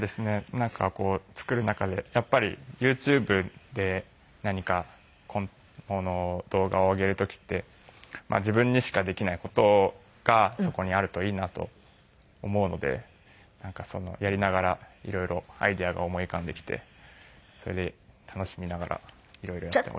なんかこう作る中でやっぱりユーチューブで何か動画を上げる時って自分にしかできない事がそこにあるといいなと思うのでやりながら色々アイデアが思い浮かんできてそれで楽しみながら色々やっております。